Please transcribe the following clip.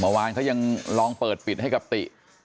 เมื่อวานเขายังลองเปิดปิดให้กับติ